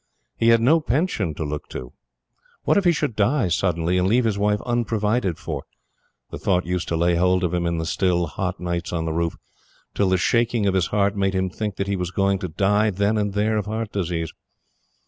He had no pension to look to. What if he should die suddenly, and leave his wife unprovided for? The thought used to lay hold of him in the still, hot nights on the roof, till the shaking of his heart made him think that he was going to die then and there of heart disease.